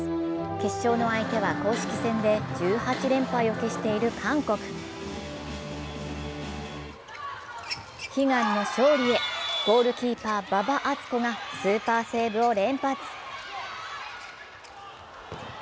決勝の相手は公式戦で１８連敗を喫している韓国悲願の勝利へ、ゴールキーパー・馬場敦子がスーパーセーブを連発。